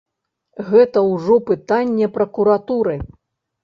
Гэта ўжо пытанне пракуратуры.